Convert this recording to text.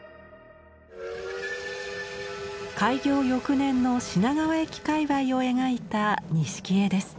開業翌年の品川駅界わいを描いた錦絵です。